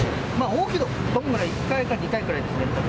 大きなどんぐらい、１回か２回くらいですね。